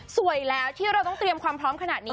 สวยแล้วที่เราต้องเตรียมความพร้อมขนาดนี้